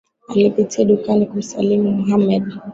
Alipitia dukani kumsalimu Mohammed